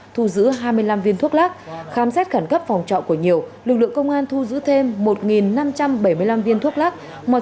thuốc lắc khám xét khẩn cấp phòng trọng của nhiều lực lượng công an thu giữ thêm một năm trăm bảy mươi năm viên thuốc lắc